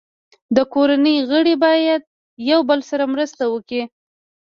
د کورنۍ غړي باید یو بل سره مرسته وکړي.